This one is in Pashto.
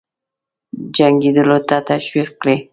جنګېدلو ته تشویق کړي.